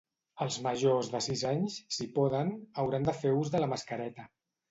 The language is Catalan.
Els majors de sis anys, si poden, hauran de fer ús de la mascareta.